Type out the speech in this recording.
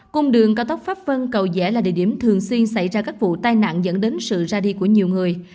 cung đường cao tốc pháp vân cầu rẽ là địa điểm thường xuyên xảy ra các vụ tai nạn dẫn đến sự ra đi của nhiều người